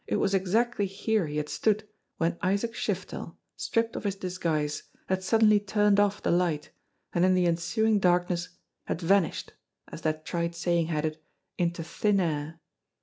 It was exactly here he had stood when Isaac Shiftel, stripped of his disguise, had suddenly turned off the light and in the ensuing darkness had vanished, as that trite saying had it, into thin air.